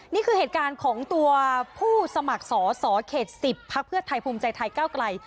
นี่คือเหตุการณ์ของตัวผู้สมัครสอสอเขต๑๐พักเพื่อไทยภูมิใจไทยก้าวไกล